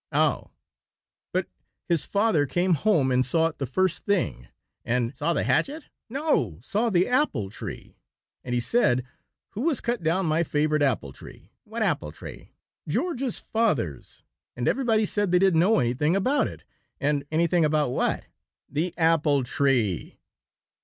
"Oh!" " but his father came home and saw it the first thing, and " "Saw the hatchet?" "No; saw the apple tree. And he said, 'Who has cut down my favorite apple tree?'" "What apple tree?" "George's father's. And everybody said they didn't know anything about it, and " "Anything about what?" "The apple tree."